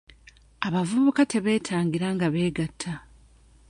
Abavubuka tebeetangira nga beegatta.